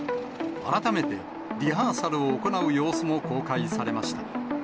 改めて、リハーサルを行う様子も公開されました。